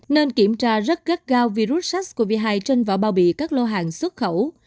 nên kiểm tra rất gắt gao virus sars cov hai trên vỏ bao bị các lô hàng xuất khẩu